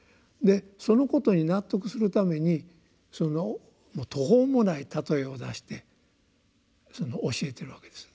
そのことに納得するために途方もない例えを出して教えてるわけです。